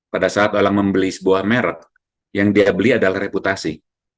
pada saat orang membeli sebuah merek yang dia beli adalah reputasi